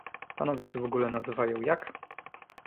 Panowie się w ogóle nazywają jak?